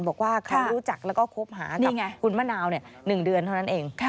บอกว่าเขารู้จักแล้วก็คบหากับคุณมะนาว๑เดือนเท่านั้นเอง